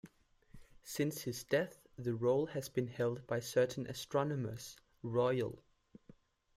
Since his death, the role has been held by certain Astronomers Royal.